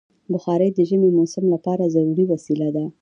بخاري د ژمي موسم لپاره ضروري وسیله ده.